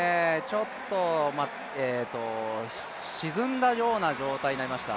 ちょっと沈んだような状態になりました。